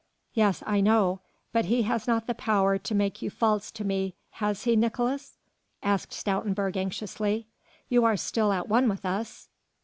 "Yes I know. But he has not the power to make you false to me, has he, Nicolaes?" asked Stoutenburg anxiously. "You are still at one with us?"